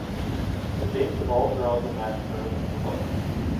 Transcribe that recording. The dates of all draws and matches are listed below.